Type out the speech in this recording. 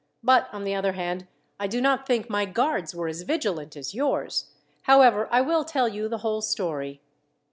But, on the other hand, I do not think my guards were as vigilant as yours. However, I will tell you the whole story."